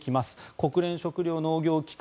国連食糧農業機関